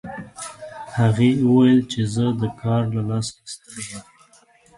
هغې وویل چې زه د کار له لاسه ستړي یم